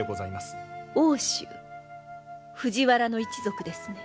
奥州藤原の一族ですね？